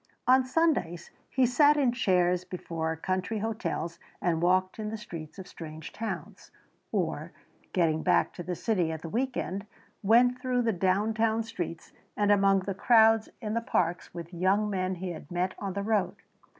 On Sundays he sat in chairs before country hotels and walked in the streets of strange towns, or, getting back to the city at the week end, went through the downtown streets and among the crowds in the parks with young men he had met on the road.